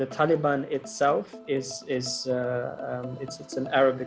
taliban itu adalah kata kata arab